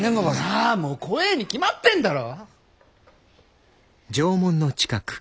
ああもう怖えに決まってんだろ！